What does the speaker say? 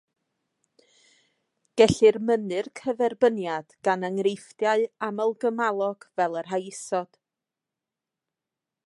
Gellir mynnu'r cyferbyniad gan enghreifftiau aml-gymalog fel y rhai isod.